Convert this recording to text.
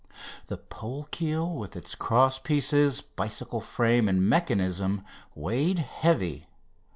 The pole keel with its cross pieces, bicycle frame, and mechanism weighed heavy.